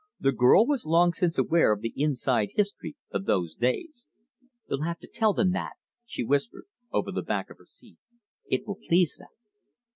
The girl was long since aware of the inside history of those days. "You'll have to tell them that," she whispered over the back of her seat. "It will please them."